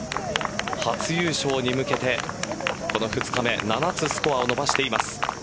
初優勝に向けて、この２日目７つスコアを伸ばしています。